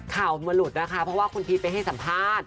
ข่าวมันหลุดนะคะเพราะว่าคุณพีชไปให้สัมภาษณ์